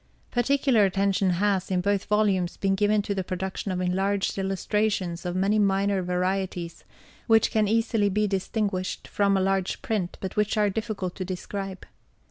Particular attention has in both volumes been given to the production of enlarged illustrations of many minor varieties, which can easily be distinguished from a large print, but which are difficult to describe.